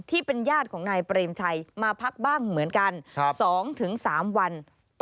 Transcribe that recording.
ที่เป็นญาติของนายเปรมชัยมาพักบ้างเหมือนกัน๒๓วัน